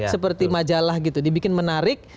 seperti majalah gitu dibikin menarik